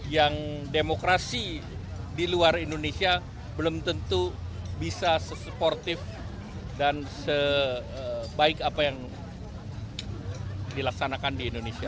yang demokrasi di luar indonesia belum tentu bisa sesportif dan sebaik apa yang dilaksanakan di indonesia